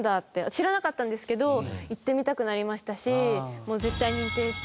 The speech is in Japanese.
知らなかったんですけど行ってみたくなりましたし。